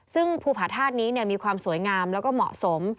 ซึ่งภูผาธาตุนี้มีความสวยงามแล้วก็เหมาะสม